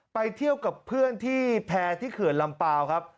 ไปเที่ยวกับเพื่อนที่แพร่ที่เขื่อนลำเปล่าครับ